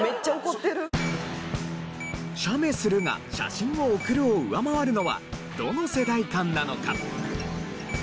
「写メする」が「写真を送る」を上回るのはどの世代間なのか？